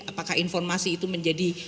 apakah informasi itu menjadi